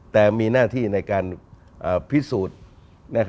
แต่มีหน้าที่ในการพิสูจน์